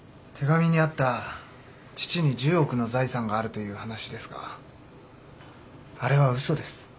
手紙にあった父に１０億の財産があるという話ですがあれは嘘です。